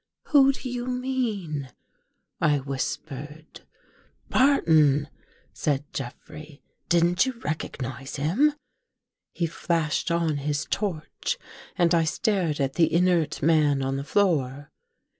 "Who do you mean?" I whispered. " Barton," said Jeffrey. " Didn't you recognize him? " He flashed on his torch and I stared at the Inert man on the floor.